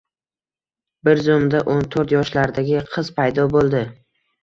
Bir zumda oʻn toʻrt yoshlardagi qiz paydo boʻldi